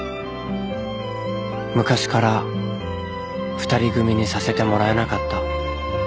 昔から２人組にさせてもらえなかった